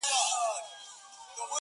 گراني چي د ټول كلي ملكه سې؛